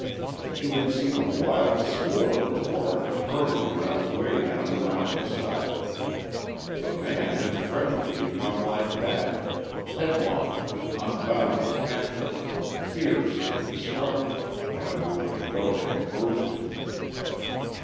She had seen a wild swollen torrent hurtling on its way down the mountainside; the man had threatened to become like that, headlong with unbounded passion, fierce and destructive when a moment ago they opposed him....